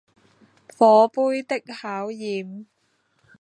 火盃的考驗